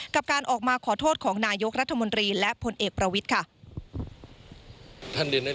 กับการออกมาขอโทษของนายกรัฐมนตรีและผลเอกประวิทย์ค่ะ